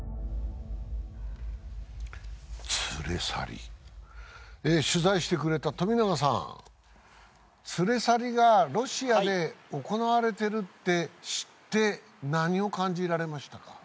連れ去り取材してくれた富永さん連れ去りがロシアで行われてるって知って何を感じられましたか？